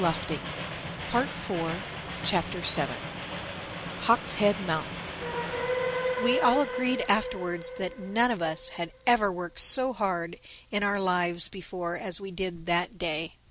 THE SEVENTH CHAPTER HAWK'S HEAD MOUNTAIN WE all agreed afterwards that none of us had ever worked so hard in our lives before as we did that day.